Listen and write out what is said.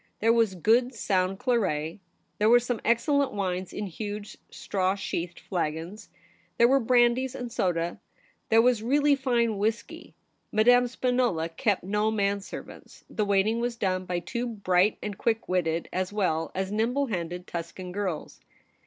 There was good sound claret ; there were some excellent wines in huge straw sheathed flagons ; there were brandies and soda; there was really fine whisky. Madame Spinola kept no man servants ; the waiting was done by two bright and quick witted, as well as nimble handed, Tuscan girls.